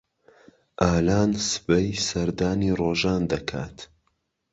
ئالان سبەی سەردانی ڕۆژان دەکات.